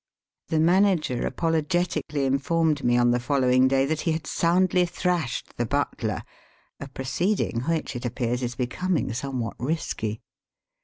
The manager apologetically informed me on the following day that he had soundly thrashed the butler, a proceeding which, it appears, is becoming somewhat risky.